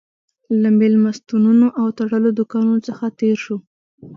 له مېلمستونونو او تړلو دوکانونو څخه تېر شوو.